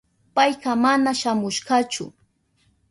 Payka mana shamushkachu.